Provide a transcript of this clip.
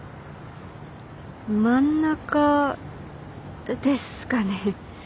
真ん中ですかね？